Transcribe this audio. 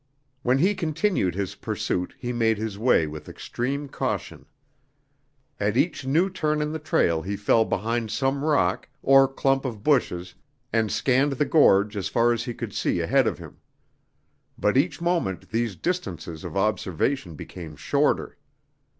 When he continued his pursuit he made his way with extreme caution. At each new turn in the trail he fell behind some rock or clump of bushes and scanned the gorge as far as he could see ahead of him. But each moment these distances of observation became shorter.